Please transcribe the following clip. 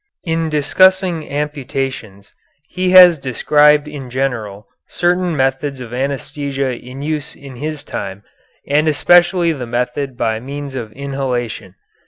In discussing amputations he has described in general certain methods of anæsthesia in use in his time, and especially the method by means of inhalation.